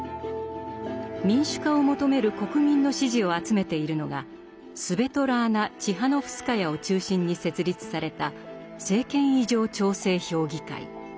民主化を求める国民の支持を集めているのがスヴェトラーナ・チハノフスカヤを中心に設立された「政権移譲調整評議会」。